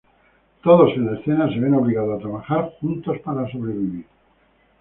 Todos en la escena se ven obligados a trabajar juntos para sobrevivir.